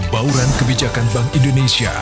bauran kebijakan bank indonesia